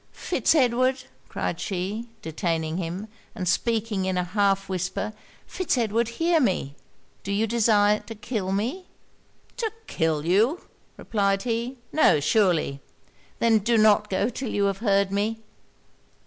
'Fitz Edward,' cried she, detaining him, and speaking in an half whisper 'Fitz Edward, hear me! Do you design to kill me?' 'To kill you?' replied he. 'No surely.' 'Then do not go till you have heard me.'